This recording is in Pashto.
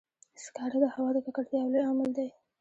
سکاره د هوا د ککړتیا یو لوی عامل دی.